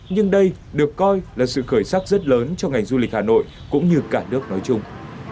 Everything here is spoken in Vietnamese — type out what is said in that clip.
nhưng đây được coi là sự khởi sắc rất lớn cho ngành du lịch hà nội cũng như cả nước nói chung